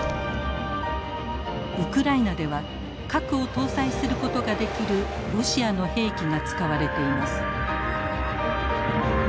ウクライナでは核を搭載することができるロシアの兵器が使われています。